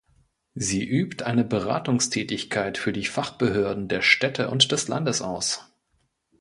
Sie übt eine Beratungstätigkeit für die Fachbehörden der Städte und des Landes aus.